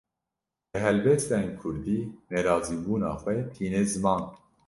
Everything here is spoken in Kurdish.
Bi helbestên Kurdî, nerazîbûna xwe tîne ziman